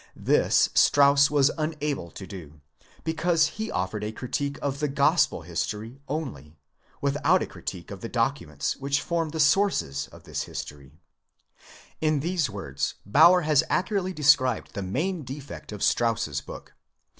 This Strauss was unable to do, because he offered a critique of the gospel history only, without a critique of the documents which form the sources of this history, In these words Baur has accurately described the main defect of Strauss's book.